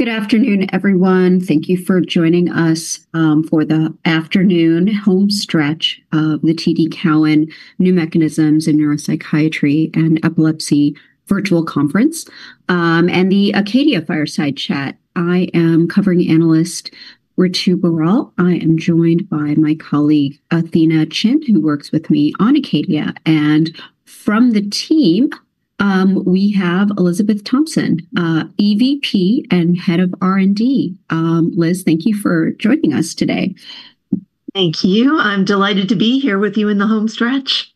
Good afternoon, everyone. Thank you for joining us for the afternoon home stretch of the TD Cowen New Mechanisms in Neuropsychiatry and Epilepsy Virtual Conference and the Acadia Fireside Chat. I am covering analyst Ritu Baral. I am joined by my colleague Athena Chint, who works with me on Acadia. From the team, we have Dr. Elizabeth H.Z. Thompson, Executive Vice President and Head of R&D. Liz, thank you for joining us today. Thank you. I'm delighted to be here with you in the home stretch.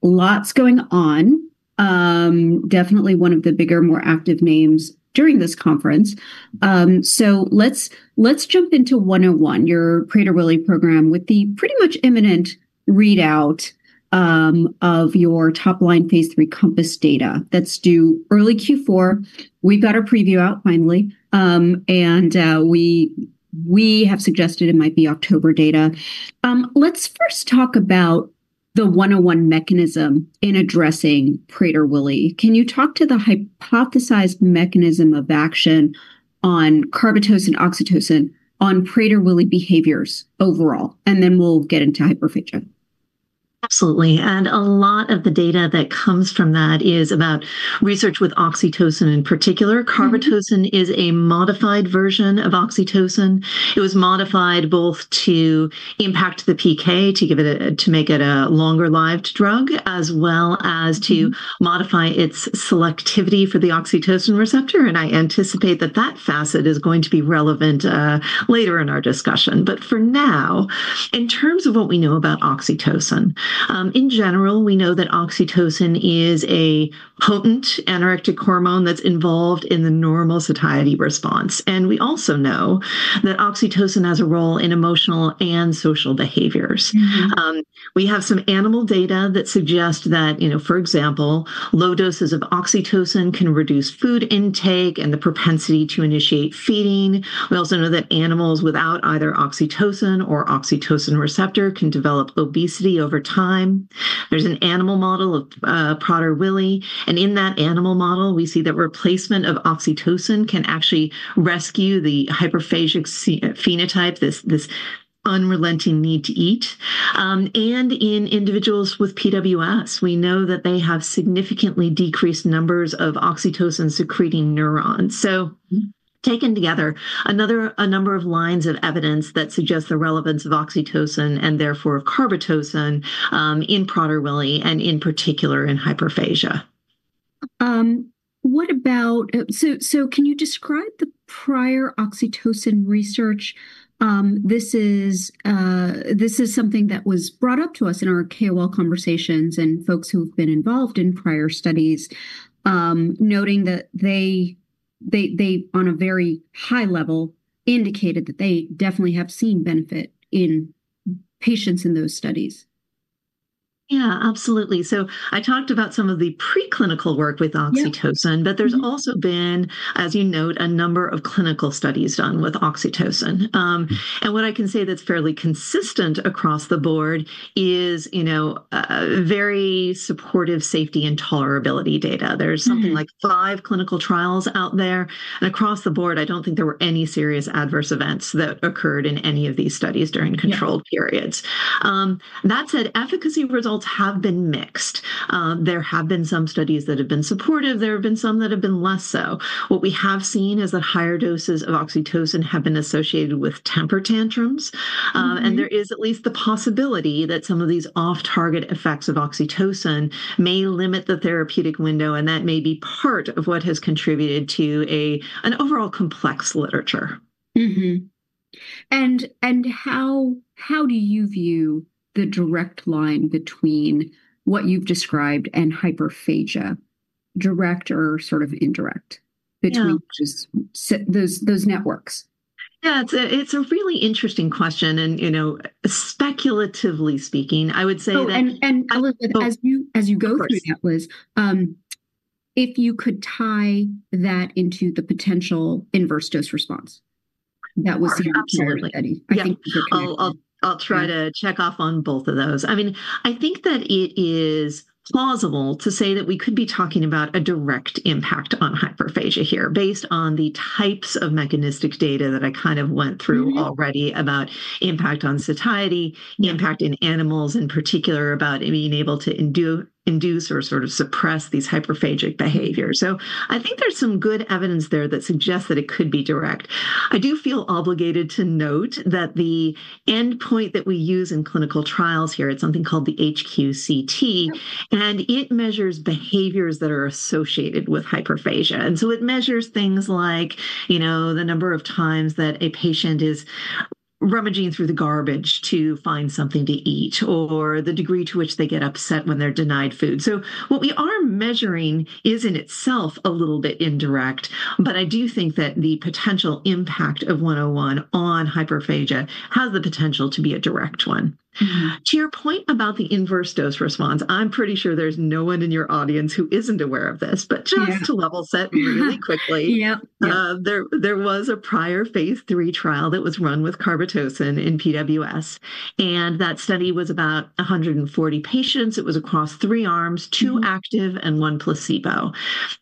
Lots going on. Definitely one of the bigger, more active names during this conference. Let's jump into 101, your Prader-Willi program, with the pretty much imminent readout of your top line phase 3 COMPASS data that's due early Q4. We've got a preview out finally, and we have suggested it might be October data. Let's first talk about the 101 mechanism in addressing Prader-Willi. Can you talk to the hypothesized mechanism of action on carbetocin and oxytocin on Prader-Willi behaviors overall? Then we'll get into hyperphagia. Absolutely. A lot of the data that comes from that is about research with oxytocin in particular. ACP-101 (carbetocin) is a modified version of oxytocin. It was modified both to impact the PK, to make it a longer-lived drug, as well as to modify its selectivity for the oxytocin receptor. I anticipate that that facet is going to be relevant later in our discussion. For now, in terms of what we know about oxytocin in general, we know that oxytocin is a potent anorexic hormone that's involved in the normal satiety response. We also know that oxytocin has a role in emotional and social behaviors. We have some animal data that suggest, for example, low doses of oxytocin can reduce food intake and the propensity to initiate feeding. We also know that animals without either oxytocin or oxytocin receptor can develop obesity over time. There's an animal model of Prader-Willi. In that animal model, we see that replacement of oxytocin can actually rescue the hyperphagic phenotype, this unrelenting need to eat. In individuals with Prader-Willi syndrome (PWS), we know that they have significantly decreased numbers of oxytocin-secreting neurons. Taken together, there are a number of lines of evidence that suggest the relevance of oxytocin and therefore ACP-101 (carbetocin) in Prader-Willi and in particular in hyperphagia. Can you describe the prior oxytocin research? This is something that was brought up to us in our KOL conversations and folks who have been involved in prior studies, noting that they on a very high level indicated that they definitely have seen benefit in patients in those studies. Absolutely. I talked about some of the preclinical work with oxytocin, but there's also been, as you note, a number of clinical studies done with oxytocin. What I can say that's fairly consistent across the board is very supportive safety and tolerability data. There's something like five clinical trials out there. Across the board, I don't think there were any serious adverse events that occurred in any of these studies during controlled periods. That said, efficacy results have been mixed. There have been some studies that have been supportive. There have been some that have been less so. What we have seen is that higher doses of oxytocin have been associated with temper tantrums, and there is at least the possibility that some of these off-target effects of oxytocin may limit the therapeutic window, and that may be part of what has contributed to an overall complex literature. How do you view the direct line between what you've described and hyperphagia, direct or sort of indirect, between just those networks? Yeah, it's a really interesting question. You know, speculatively speaking, I would say that. Oh, Elizabeth, as you go through that, Liz, if you could tie that into the potential inverse dose response that was seen with Neil and Reddy, I think. I'll try to check off on both of those. I mean, I think that it is plausible to say that we could be talking about a direct impact on hyperphagia here based on the types of mechanistic data that I kind of went through already about impact on satiety, impact in animals, in particular about being able to induce or sort of suppress these hyperphagic behaviors. I think there's some good evidence there that suggests that it could be direct. I do feel obligated to note that the endpoint that we use in clinical trials here, it's something called the HQ-CT, and it measures behaviors that are associated with hyperphagia. It measures things like, you know, the number of times that a patient is rummaging through the garbage to find something to eat or the degree to which they get upset when they're denied food. What we are measuring is in itself a little bit indirect, but I do think that the potential impact of ACP-101 on hyperphagia has the potential to be a direct one. To your point about the inverse dose response, I'm pretty sure there's no one in your audience who isn't aware of this, but just to level set really quickly. Yep. There was a prior phase 3 trial that was run with ACP-101 in Prader-Willi syndrome, and that study was about 140 patients. It was across three arms, two active and one placebo.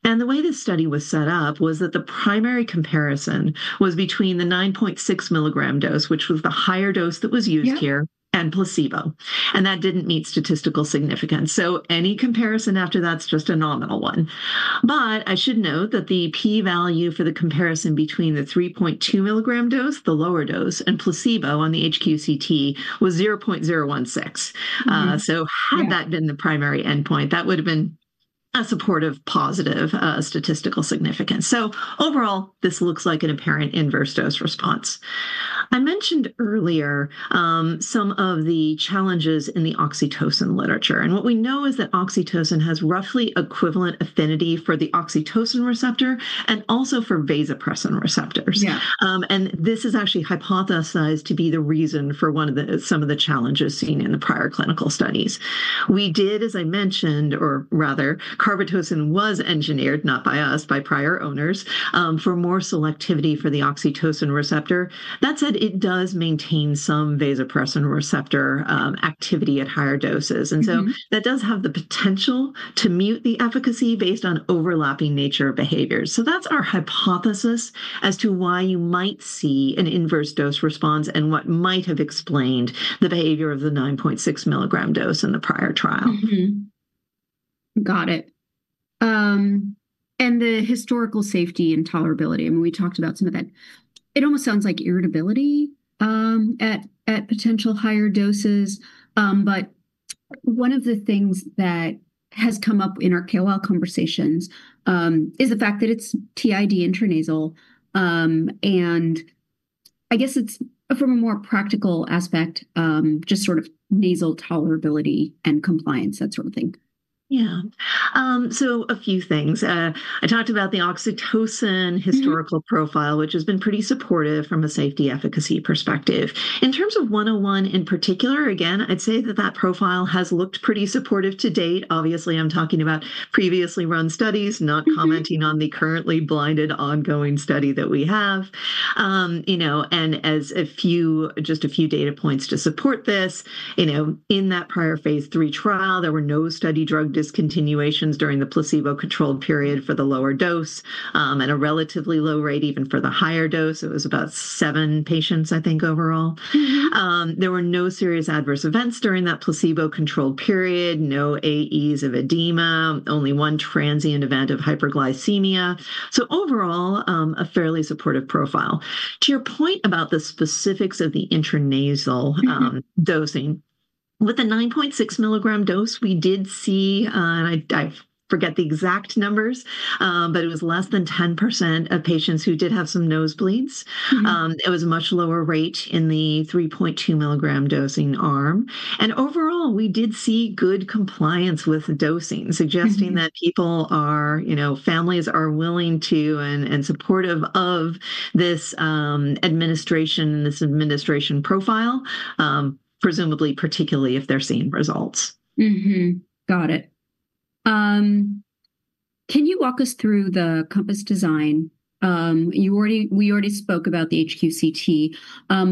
The way this study was set up was that the primary comparison was between the 9.6 mg dose, which was the higher dose that was used here, and placebo. That didn't meet statistical significance. Any comparison after that's just a nominal one. I should note that the p-value for the comparison between the 3.2 mg dose, the lower dose, and placebo on the HQ-CT was 0.016. Had that been the primary endpoint, that would have been a supportive positive, statistical significance. Overall, this looks like an apparent inverse dose response. I mentioned earlier some of the challenges in the oxytocin literature. What we know is that oxytocin has roughly equivalent affinity for the oxytocin receptor and also for vasopressin receptors. Yeah. This is actually hypothesized to be the reason for some of the challenges seen in the prior clinical studies. As I mentioned, or rather, carbetocin was engineered, not by us, by prior owners, for more selectivity for the oxytocin receptor. That said, it does maintain some vasopressin receptor activity at higher doses. That does have the potential to mute the efficacy based on overlapping nature of behaviors. That's our hypothesis as to why you might see an inverse dose response and what might have explained the behavior of the 9.6 milligram dose in the prior trial. Got it. The historical safety and tolerability, I mean, we talked about some of that. It almost sounds like irritability at potential higher doses. One of the things that has come up in our KOL conversations is the fact that it's TID intranasal. I guess it's from a more practical aspect, just sort of nasal tolerability and compliance, that sort of thing. Yeah. A few things. I talked about the oxytocin historical profile, which has been pretty supportive from a safety efficacy perspective. In terms of 101 in particular, again, I'd say that that profile has looked pretty supportive to date. Obviously, I'm talking about previously run studies, not commenting on the currently blinded ongoing study that we have. As a few data points to support this, in that prior phase 3 trial, there were no study drug discontinuations during the placebo-controlled period for the lower dose, at a relatively low rate even for the higher dose. It was about seven patients, I think, overall. There were no serious adverse events during that placebo-controlled period. No AEs of edema, only one transient event of hyperglycemia. Overall, a fairly supportive profile. To your point about the specifics of the intranasal dosing, with the 9.6 mg dose, we did see, and I forget the exact numbers, but it was less than 10% of patients who did have some nosebleeds. It was a much lower rate in the 3.2 mg dosing arm. Overall, we did see good compliance with dosing, suggesting that people are, you know, families are willing to and supportive of this administration and this administration profile, presumably particularly if they're seeing results. Got it. Can you walk us through the COMPASS design? You already, we already spoke about the HQ-CT,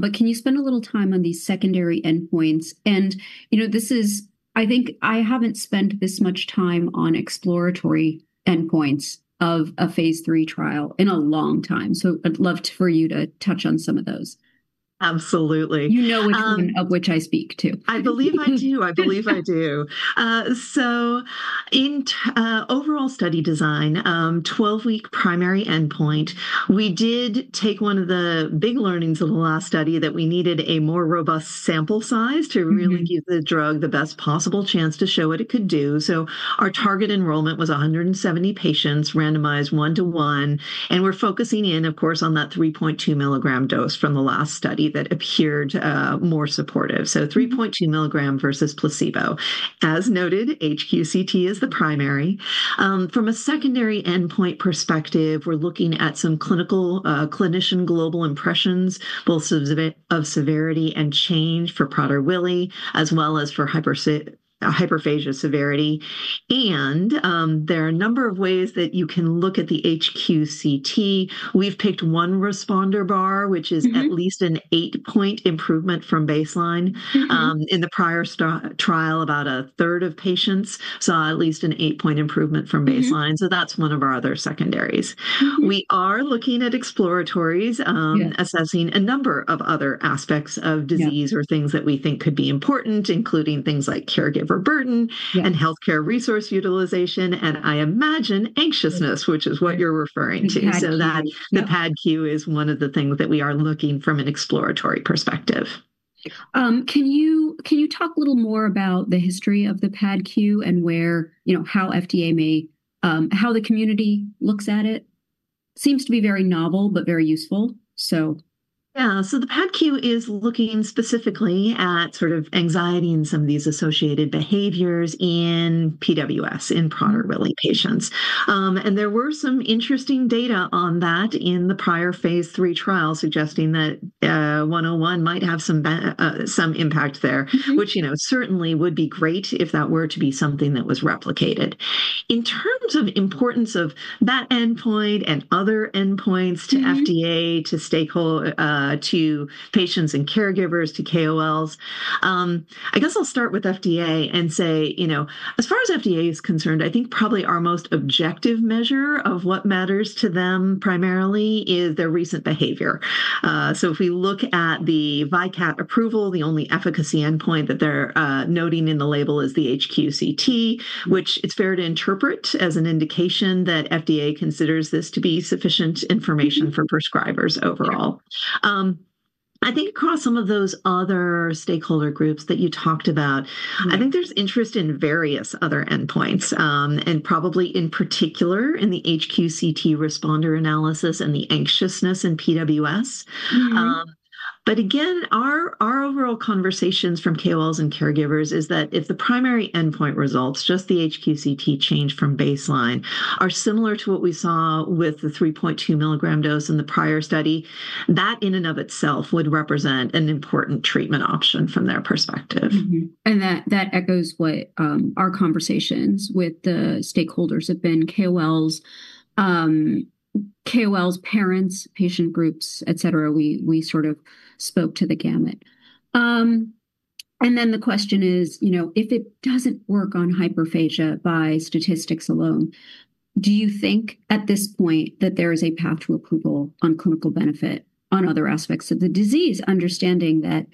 but can you spend a little time on these secondary endpoints? You know, this is, I think I haven't spent this much time on exploratory endpoints of a phase 3 trial in a long time. I'd love for you to touch on some of those. Absolutely. You know which one of which I speak. I believe I do. In overall study design, 12-week primary endpoint, we did take one of the big learnings of the last study that we needed a more robust sample size to really give the drug the best possible chance to show what it could do. Our target enrollment was 170 patients, randomized one-to-one, and we're focusing in, of course, on that 3.2 milligram dose from the last study that appeared more supportive. So 3.2 milligram versus placebo. As noted, HQ-CT is the primary. From a secondary endpoint perspective, we're looking at some clinician global impressions, both of severity and change for Prader-Willi, as well as for hyperphagia severity. There are a number of ways that you can look at the HQ-CT. We've picked one responder bar, which is at least an eight-point improvement from baseline. In the prior trial, about a third of patients saw at least an eight-point improvement from baseline. That's one of our other secondaries. We are looking at exploratories, assessing a number of other aspects of disease or things that we think could be important, including things like caregiver burden and healthcare resource utilization, and I imagine anxiousness, which is what you're referring to. The PAD-Q is one of the things that we are looking from an exploratory perspective. Can you talk a little more about the history of the PAD-Q and where, you know, how the FDA may, how the community looks at it? It seems to be very novel, but very useful. Yeah, so the PAD-Q is looking specifically at sort of anxiety and some of these associated behaviors in PWS in Prader-Willi patients. There were some interesting data on that in the prior phase 3 trial suggesting that, 101 might have some impact there, which, you know, certainly would be great if that were to be something that was replicated. In terms of importance of that endpoint and other endpoints to FDA, to stakeholders, to patients and caregivers, to KOLs, I guess I'll start with FDA and say, you know, as far as FDA is concerned, I think probably our most objective measure of what matters to them primarily is their recent behavior. If we look at the VICAT approval, the only efficacy endpoint that they're noting in the label is the HQ-CT, which it's fair to interpret as an indication that FDA considers this to be sufficient information for prescribers overall. I think across some of those other stakeholder groups that you talked about, I think there's interest in various other endpoints, and probably in particular in the HQ-CT responder analysis and the anxiousness in PWS. Our overall conversations from KOLs and caregivers is that if the primary endpoint results, just the HQ-CT change from baseline, are similar to what we saw with the 3.2 milligram dose in the prior study, that in and of itself would represent an important treatment option from their perspective. That echoes what our conversations with the stakeholders have been—KOLs, parents, patient groups, et cetera. We sort of spoke to the gamut. The question is, you know, if it doesn't work on hyperphagia by statistics alone, do you think at this point that there is a path to approval on clinical benefit on other aspects of the disease, understanding that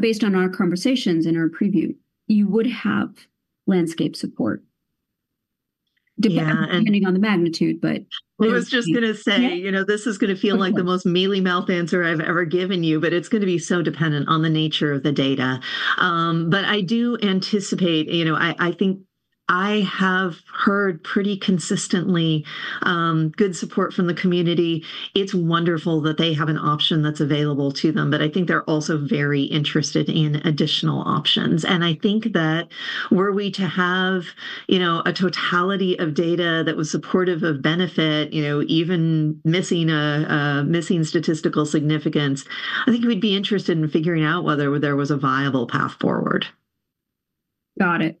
based on our conversations and our preview, you would have landscape support depending on the magnitude. I was just going to say, you know, this is going to feel like the most mealy mouth answer I've ever given you, but it's going to be so dependent on the nature of the data. I do anticipate, you know, I think I have heard pretty consistently, good support from the community. It's wonderful that they have an option that's available to them, but I think they're also very interested in additional options. I think that were we to have, you know, a totality of data that was supportive of benefit, even missing a missing statistical significance, I think we'd be interested in figuring out whether there was a viable path forward. Got it.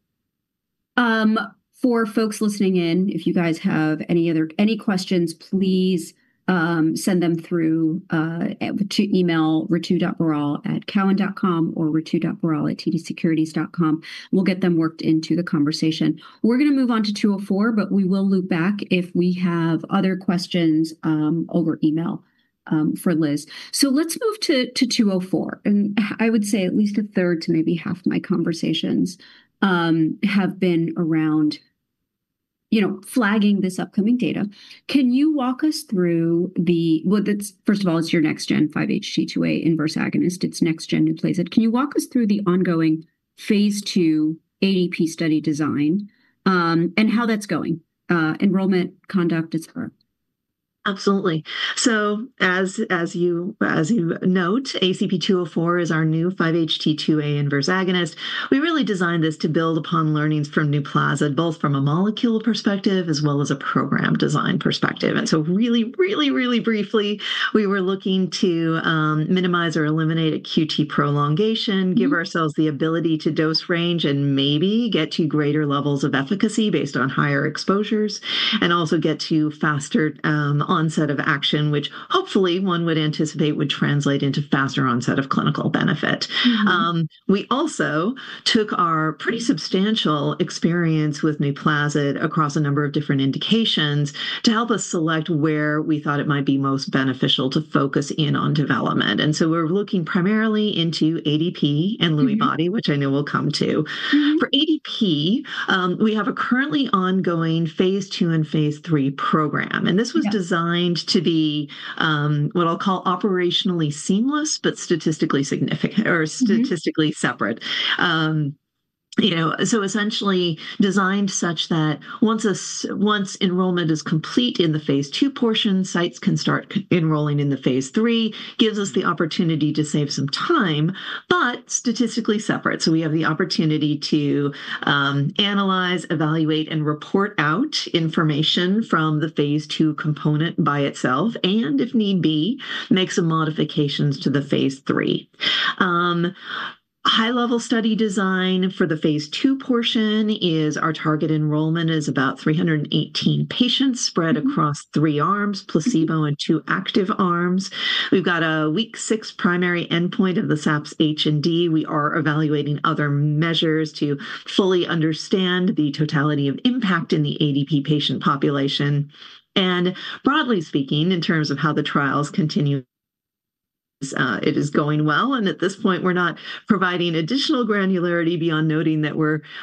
For folks listening in, if you guys have any other questions, please send them through to email ritu.baral@cowen.com or ritu.baral@tdsecurities.com. We'll get them worked into the conversation. We're going to move on to 204, but we will loop back if we have other questions over email for Liz. Let's move to 204. I would say at least a third to maybe half of my conversations have been around flagging this upcoming data. Can you walk us through the, first of all, it's your next gen 5HT2A inverse agonist. It's next gen in place of, can you walk us through the ongoing phase 2 ADP study design, and how that's going, enrollment, conduct, et cetera? Absolutely. As you note, ACP-204 is our new 5HT2A inverse agonist. We really designed this to build upon learnings from NUPLAZID, both from a molecule perspective as well as a program design perspective. Really briefly, we were looking to minimize or eliminate a QT prolongation, give ourselves the ability to dose range and maybe get to greater levels of efficacy based on higher exposures, and also get to faster onset of action, which hopefully one would anticipate would translate into faster onset of clinical benefit. We also took our pretty substantial experience with NUPLAZID across a number of different indications to help us select where we thought it might be most beneficial to focus in on development. We're looking primarily into Alzheimer’s disease psychosis and Lewy body, which I know we'll come to. For Alzheimer’s disease psychosis, we have a currently ongoing phase 2 and phase 3 program. This was designed to be, what I'll call, operationally seamless but statistically significant or statistically separate. Essentially designed such that once enrollment is complete in the phase 2 portion, sites can start enrolling in the phase 3, gives us the opportunity to save some time, but statistically separate. We have the opportunity to analyze, evaluate, and report out information from the phase 2 component by itself, and if need be, make some modifications to the phase 3. High-level study design for the phase 2 portion is our target enrollment is about 318 patients spread across three arms, placebo and two active arms. We've got a week six primary endpoint of the SAPS-H and D. We are evaluating other measures to fully understand the totality of impact in the Alzheimer’s disease psychosis patient population. Broadly speaking, in terms of how the trials continue, it is going well. At this point, we're not providing additional granularity beyond noting that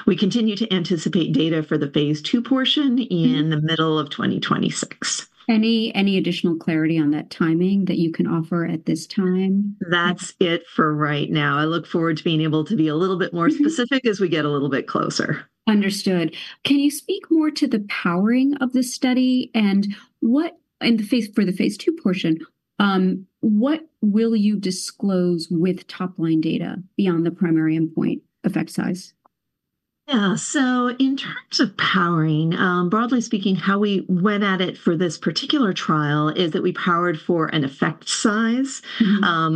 we continue to anticipate data for the phase 2 portion in the middle of 2026. Any additional clarity on that timing that you can offer at this time? That's it for right now. I look forward to being able to be a little bit more specific as we get a little bit closer. Understood. Can you speak more to the powering of the study and what, in the phase for the phase 2 portion, what will you disclose with top line data beyond the primary endpoint effect size? Yeah, so in terms of powering, broadly speaking, how we went at it for this particular trial is that we powered for an effect size,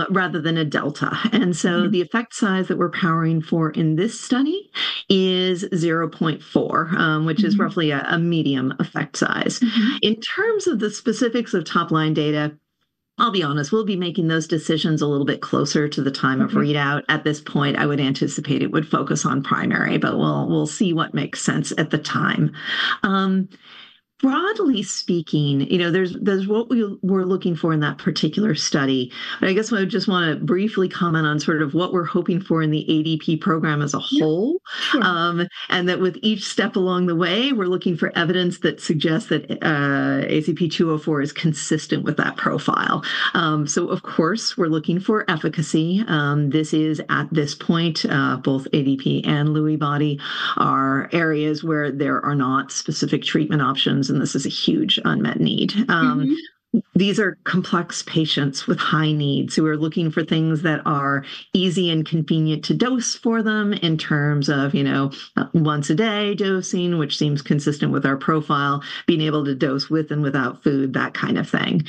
rather than a delta. The effect size that we're powering for in this study is 0.4, which is roughly a medium effect size. In terms of the specifics of top line data, I'll be honest, we'll be making those decisions a little bit closer to the time of readout. At this point, I would anticipate it would focus on primary, but we'll see what makes sense at the time. Broadly speaking, there's what we were looking for in that particular study. I guess what I just want to briefly comment on is sort of what we're hoping for in the Alzheimer’s disease psychosis program as a whole. With each step along the way, we're looking for evidence that suggests that ACP-204 is consistent with that profile. Of course, we're looking for efficacy. This is at this point, both Alzheimer’s disease psychosis and Lewy body dementia psychosis are areas where there are not specific treatment options, and this is a huge unmet need. These are complex patients with high needs. We're looking for things that are easy and convenient to dose for them in terms of once a day dosing, which seems consistent with our profile, being able to dose with and without food, that kind of thing.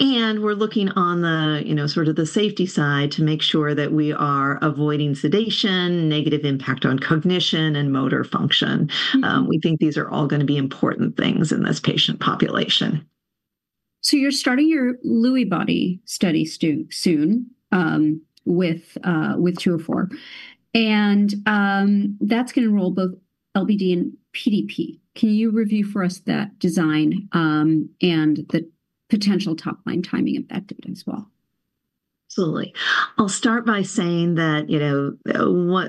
We're looking on the safety side to make sure that we are avoiding sedation, negative impact on cognition and motor function. We think these are all going to be important things in this patient population. You're starting your Lewy body study soon with ACP-204, and that's going to enroll both LBD and PDP. Can you review for us that design and the potential top line timing effective as well? Absolutely. I'll start by saying that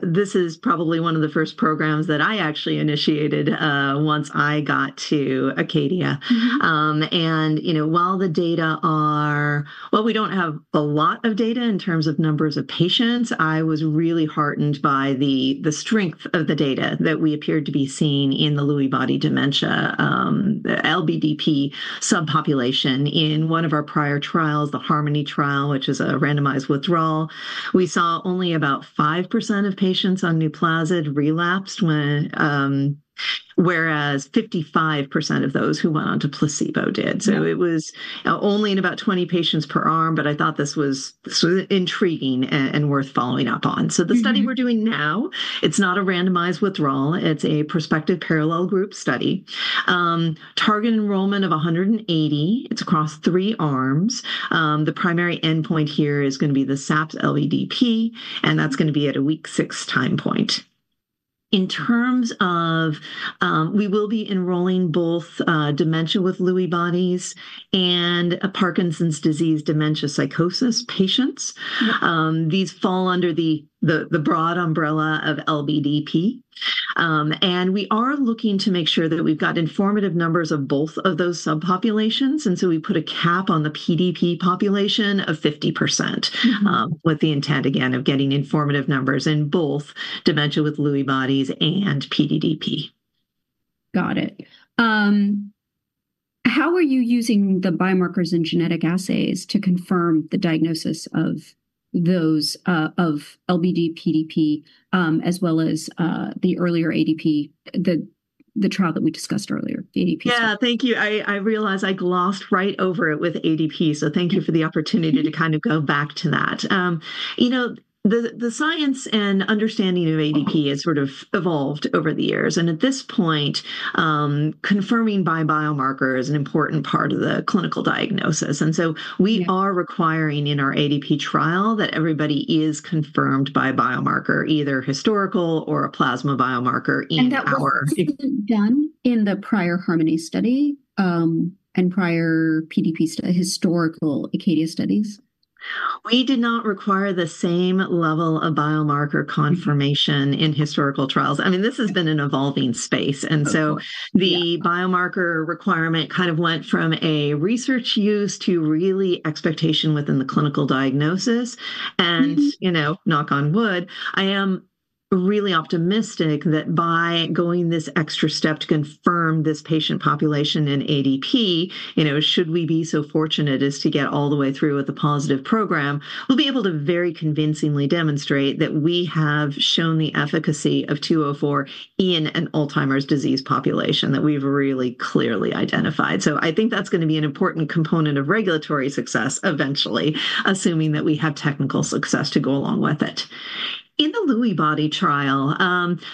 this is probably one of the first programs that I actually initiated once I got to Acadia Pharmaceuticals. While the data are, well, we don't have a lot of data in terms of numbers of patients, I was really heartened by the strength of the data that we appeared to be seeing in the Lewy body dementia, the LBDP subpopulation. In one of our prior trials, the Harmony trial, which is a randomized withdrawal, we saw only about 5% of patients on NUPLAZID relapsed, whereas 55% of those who went on to placebo did. It was only in about 20 patients per arm, but I thought this was sort of intriguing and worth following up on. The study we're doing now is not a randomized withdrawal. It's a prospective parallel group study, target enrollment of 180. It's across three arms. The primary endpoint here is going to be the SAPS-LBDP, and that's going to be at a week six time point. We will be enrolling both dementia with Lewy bodies and Parkinson's disease dementia psychosis patients. These fall under the broad umbrella of LBDP. We are looking to make sure that we've got informative numbers of both of those subpopulations, and we put a cap on the PDP population of 50%, with the intent, again, of getting informative numbers in both dementia with Lewy bodies and PDDP. Got it. How are you using the biomarkers and genetic assays to confirm the diagnosis of those, of LBD, PDP, as well as the earlier ADP, the trial that we discussed earlier, ADP? Yeah, thank you. I realized I glossed right over it with ADP. Thank you for the opportunity to kind of go back to that. You know, the science and understanding of ADP has sort of evolved over the years. At this point, confirming by biomarker is an important part of the clinical diagnosis. We are requiring in our ADP trial that everybody is confirmed by biomarker, either historical or a plasma biomarker in the work. That wasn't done in the prior Harmony study, and prior PDP historical Acadia studies? We did not require the same level of biomarker confirmation in historical trials. I mean, this has been an evolving space. The biomarker requirement kind of went from a research use to really expectation within the clinical diagnosis. Knock on wood, I am really optimistic that by going this extra step to confirm this patient population in ADP, should we be so fortunate as to get all the way through with a positive program, we'll be able to very convincingly demonstrate that we have shown the efficacy of ACP-204 in an Alzheimer's disease population that we've really clearly identified. I think that's going to be an important component of regulatory success eventually, assuming that we have technical success to go along with it. In the Lewy body trial,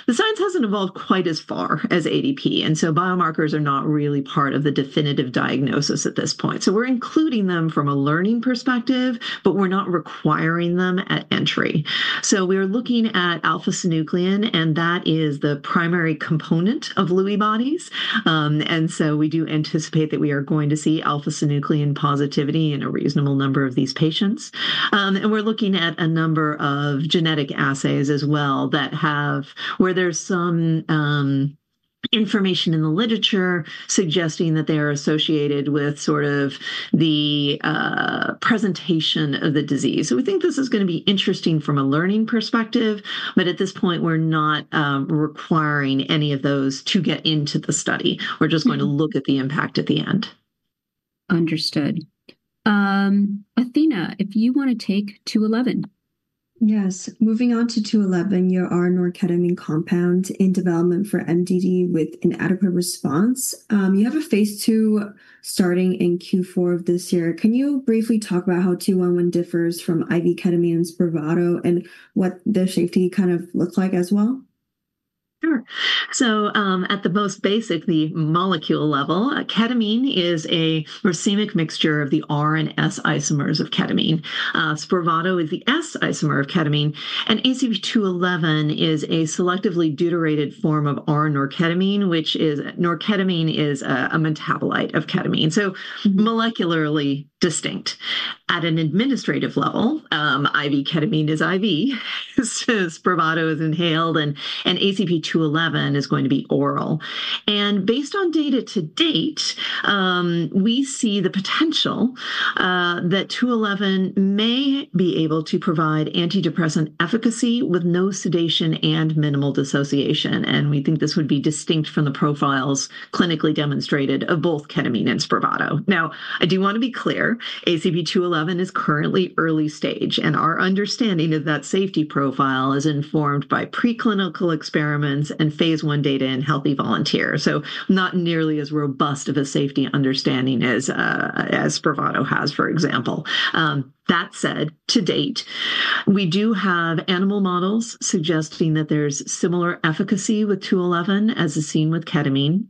the science hasn't evolved quite as far as ADP. Biomarkers are not really part of the definitive diagnosis at this point. We're including them from a learning perspective, but we're not requiring them at entry. We're looking at alpha-synuclein, and that is the primary component of Lewy bodies. We do anticipate that we are going to see alpha-synuclein positivity in a reasonable number of these patients. We're looking at a number of genetic assays as well, where there's some information in the literature suggesting that they are associated with the presentation of the disease. We think this is going to be interesting from a learning perspective, but at this point, we're not requiring any of those to get into the study. We're just going to look at the impact at the end. Understood. Athena, if you want to take ACP-211. Yes, moving on to 211, you are a noradrenaline compound in development for MDD with an adequate response. You have a phase 2 starting in Q4 of this year. Can you briefly talk about how 211 differs from IV ketamine, Spravato, and what the safety kind of looks like as well? Sure. At the most basic, the molecule level, ketamine is a racemic mixture of the R and S isomers of ketamine. Spravato is the S isomer of ketamine, and ACP-211 is a selectively deuterated form of R-norketamine, which is, norketamine is a metabolite of ketamine, so molecularly distinct. At an administrative level, IV ketamine is IV. Spravato is inhaled, and ACP-211 is going to be oral. Based on data to date, we see the potential that 211 may be able to provide antidepressant efficacy with no sedation and minimal dissociation. We think this would be distinct from the profiles clinically demonstrated of both ketamine and Spravato. I do want to be clear, ACP-211 is currently early stage, and our understanding of that safety profile is informed by preclinical experiments and phase 1 data in healthy volunteers, so not nearly as robust of a safety understanding as Spravato has, for example. That said, to date, we do have animal models suggesting that there's similar efficacy with 211 as is seen with ketamine,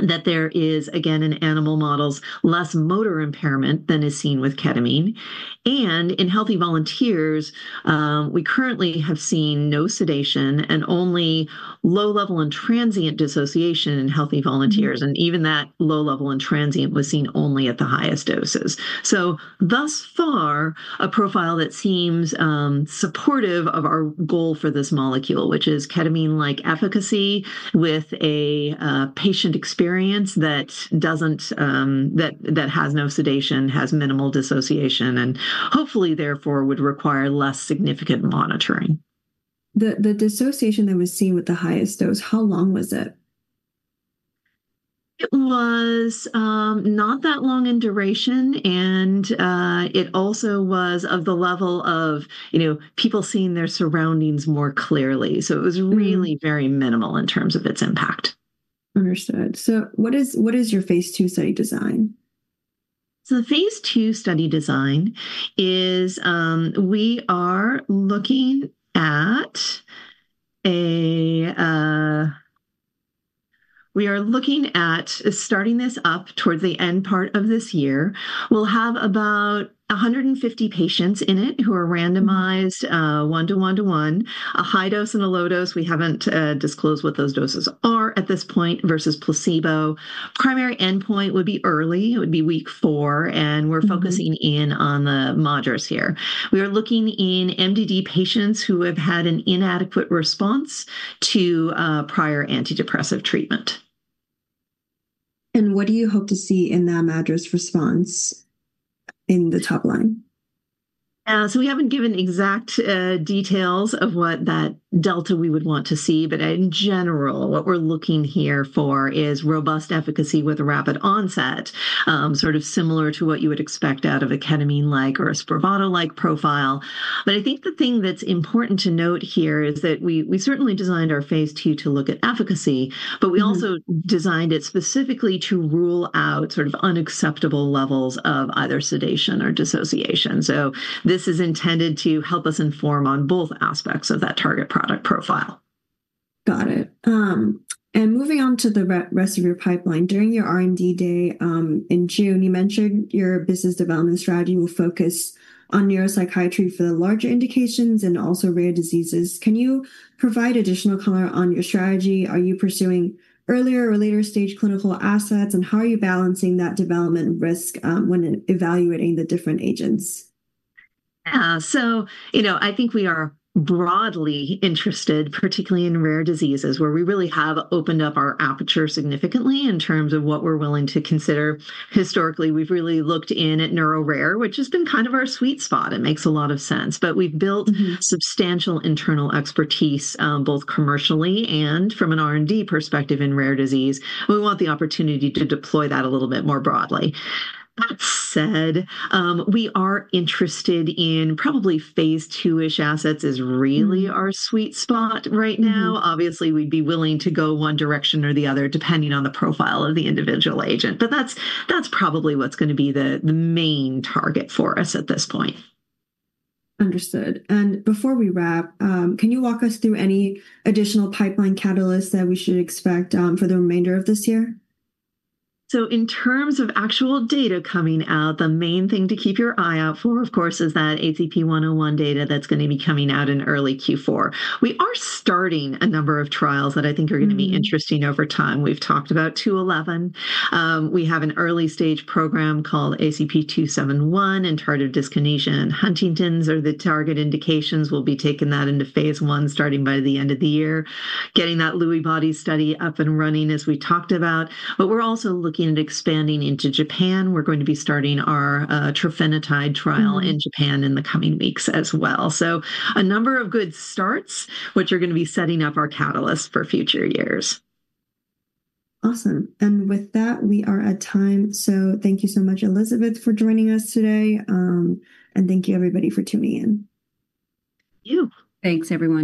that there is, again, in animal models, less motor impairment than is seen with ketamine. In healthy volunteers, we currently have seen no sedation and only low level and transient dissociation in healthy volunteers, and even that low level and transient was seen only at the highest doses. Thus far, a profile that seems supportive of our goal for this molecule, which is ketamine-like efficacy with a patient experience that doesn't, that has no sedation, has minimal dissociation, and hopefully therefore would require less significant monitoring. The dissociation that was seen with the highest dose, how long was it? It was not that long in duration, and it also was of the level of, you know, people seeing their surroundings more clearly. It was really very minimal in terms of its impact. What is your phase 2 study design? The phase 2 study design is, we are looking at starting this up towards the end part of this year. We'll have about 150 patients in it who are randomized one to one to one, a high dose and a low dose. We haven't disclosed what those doses are at this point versus placebo. The primary endpoint would be early. It would be week 4, and we're focusing in on the moderates here. We are looking in MDD patients who have had an inadequate response to prior antidepressant treatment. What do you hope to see in that moderate response in the top line? We haven't given exact details of what that delta we would want to see, but in general, what we're looking here for is robust efficacy with a rapid onset, sort of similar to what you would expect out of a ketamine-like or a Spravato-like profile. I think the thing that's important to note here is that we certainly designed our phase 2 to look at efficacy, but we also designed it specifically to rule out sort of unacceptable levels of either sedation or dissociation. This is intended to help us inform on both aspects of that target product profile. Got it. Moving on to the rest of your pipeline, during your R&D day in June, you mentioned your business development strategy will focus on neuropsychiatry for the larger indications and also rare diseases. Can you provide additional color on your strategy? Are you pursuing earlier or later stage clinical assets? How are you balancing that development risk when evaluating the different agents? Yeah, so, you know, I think we are broadly interested, particularly in rare diseases, where we really have opened up our aperture significantly in terms of what we're willing to consider. Historically, we've really looked in at neuro rare, which has been kind of our sweet spot. It makes a lot of sense. We've built substantial internal expertise, both commercially and from an R&D perspective in rare disease, and we want the opportunity to deploy that a little bit more broadly. That said, we are interested in probably phase 2-ish assets, which is really our sweet spot right now. Obviously, we'd be willing to go one direction or the other depending on the profile of the individual agent. That's probably what's going to be the main target for us at this point. Understood. Before we wrap, can you walk us through any additional pipeline catalysts that we should expect for the remainder of this year? In terms of actual data coming out, the main thing to keep your eye out for, of course, is that ACP-101 data that's going to be coming out in early Q4. We are starting a number of trials that I think are going to be interesting over time. We've talked about ACP-211. We have an early-stage program called ACP-271, and targeted dyskinesia and Huntington’s disease are the target indications. We'll be taking that into phase one starting by the end of the year, getting that Lewy body study up and running as we talked about. We're also looking at expanding into Japan. We're going to be starting our triphenotide trial in Japan in the coming weeks as well. A number of good starts are going to be setting up our catalysts for future years. Awesome. With that, we are at time. Thank you so much, Elizabeth, for joining us today, and thank you everybody for tuning in. Thank you. Thanks, everyone.